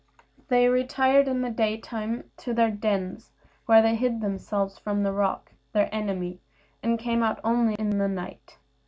They retired in the daytime to their dens, where they hid themselves from the roc, their enemy, and came out only in the night.